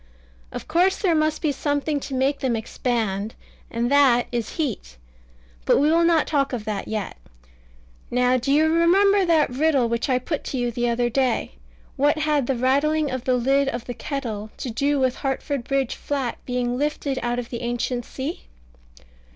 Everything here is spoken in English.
Of course there must be something to make them expand, and that is heat. But we will not talk of that yet. Now do you remember that riddle which I put to you the other day? "What had the rattling of the lid of the kettle to do with Hartford Bridge Flat being lifted out of the ancient sea?"